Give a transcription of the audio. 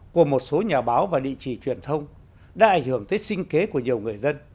của một số nhà báo và địa chỉ truyền thông đã ảnh hưởng tới sinh kế của nhiều người dân